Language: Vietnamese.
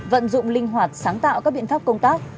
vận dụng linh hoạt sáng tạo các biện pháp công tác